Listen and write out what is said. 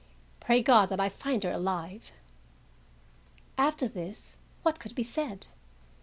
Pray God that I find her alive!" After this, what could be said?